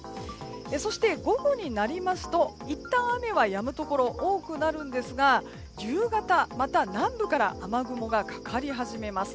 そして、午後になりますといったん雨はやむところ多くなるんですが夕方また南部から雨雲がかかり始めます。